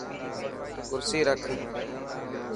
ڪرسي رک.